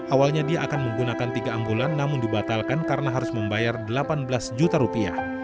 awalnya dia akan menggunakan tiga ambulan namun dibatalkan karena harus membayar delapan belas juta rupiah